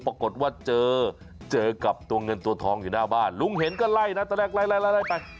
ปรากฏว่าเจอเจอกับตัวเงินตัวทองอยู่หน้าบ้านลุงเห็นก็ไล่นะตอนแรกไล่ไล่ไป